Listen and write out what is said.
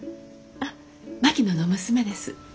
あ槙野の娘です。